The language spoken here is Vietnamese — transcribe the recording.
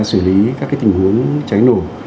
xử lý các tình huống cháy nổ